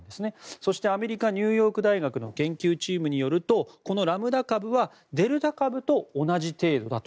そしてアメリカ・ニューヨーク大学の研究チームによるとこのラムダ株はデルタ株と同じ程度だと。